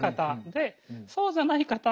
でそうじゃない方